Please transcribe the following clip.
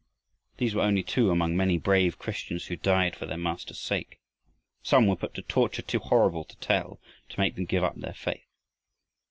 These were only two among many brave Christians who died for their Master's sake. Some were put to tortures too horrible to tell to make them give up their faith.